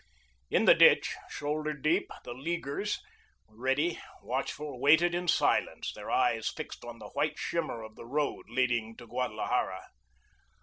In the ditch, shoulder deep, the Leaguers, ready, watchful, waited in silence, their eyes fixed on the white shimmer of the road leading to Guadalajara.